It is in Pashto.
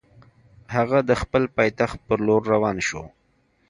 هغه د خپل پایتخت پر لور روان شو.